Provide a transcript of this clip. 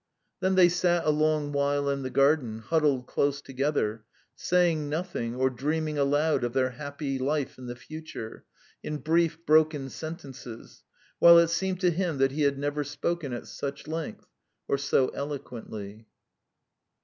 ..." Then they sat a long while in the garden, huddled close together, saying nothing, or dreaming aloud of their happy life in the future, in brief, broken sentences, while it seemed to him that he had never spoken at such length or so eloquently.